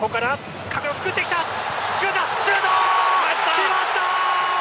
決まった！